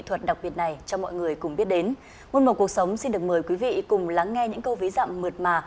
hơn một cuộc sống xin được mời quý vị cùng lắng nghe những câu ví dạng mượt mà